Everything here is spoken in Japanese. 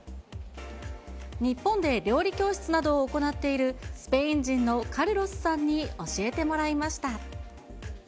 日本で料理教室などを行っている、スペイン人のカルロスさんに教えてもらいました。